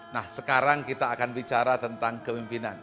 nah sekarang kita akan bicara tentang kemimpinan